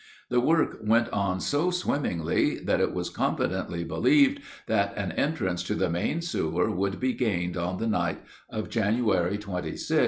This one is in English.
The work went on so swimmingly that it was confidently believed that an entrance to the main sewer would be gained on the night of January 26, 1864.